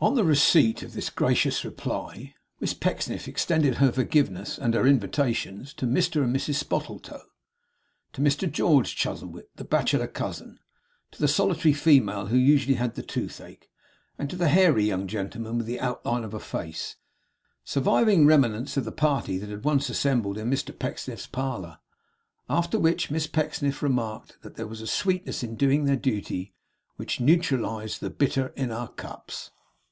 On the receipt of this gracious reply, Miss Pecksniff extended her forgiveness and her invitations to Mr and Mrs Spottletoe; to Mr George Chuzzlewit the bachelor cousin; to the solitary female who usually had the toothache; and to the hairy young gentleman with the outline of a face; surviving remnants of the party that had once assembled in Mr Pecksniff's parlour. After which Miss Pecksniff remarked that there was a sweetness in doing our duty, which neutralized the bitter in our cups.